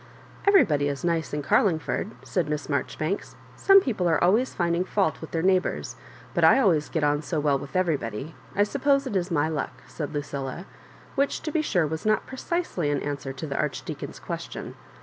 ''Everybody is mce in Carlingford," said Miss Maijoribanks ;" some people are always finding fault with tbeir neighbours, but I always get on so well with everybody — ^I suppose it is my luck," said Lucilla ; which, to be sure, was not precisely an answer to the Archdeacon's ques tion.